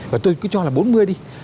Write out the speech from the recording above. và tôi cứ cho là bốn mươi đi